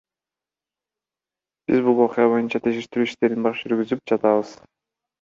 Биз бул окуя боюнча териштирүү иштерин жүргүзүп жатабыз.